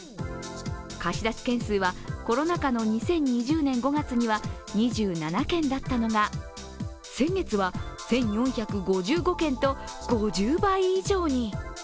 貸出件数はコロナ禍の２０２０年５月には２７件だったのが先月は１４５５件と５０倍以上に。